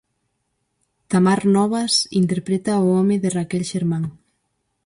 Tamar Novas interpreta o home de Raquel, Xermán.